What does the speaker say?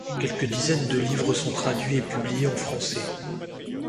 Quelques dizaines de livres sont traduits et publiés en français.